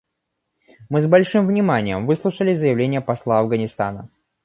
Мы с большим вниманием выслушали заявление посла Афганистана.